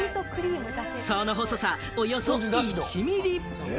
その細さ、およそ１ミリ。